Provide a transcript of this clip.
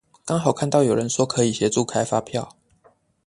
剛好看到有人說可以協助開發票